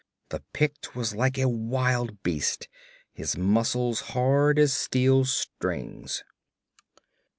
The Pict was like a wild beast, his muscles hard as steel strings.